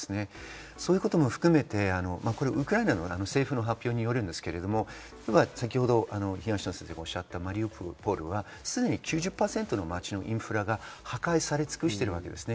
そういうことも含めてウクライナの政府の発表によりますが、東野先生がおっしゃったマリウポリは９０％の街のインフラが破壊され尽くしています。